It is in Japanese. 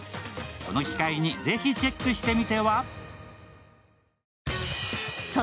この機会にぜひチェックしてみては？